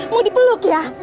mau dipeluk ya